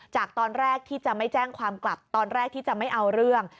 จากตอนแรกที่จะไม่แจ้งความกลับตอนแรกที่จะไม่เอาเรื่อง